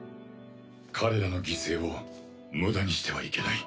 彼らの犠牲を無駄にしてはいけない。